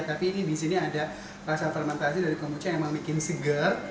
tapi di sini ada rasa fermentasi dari kombucha yang membuat seger